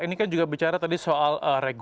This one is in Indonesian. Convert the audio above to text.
ini kan juga bicara tadi soal regulasi